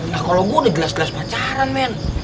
nah kalo gue udah jelas jelas pacaran men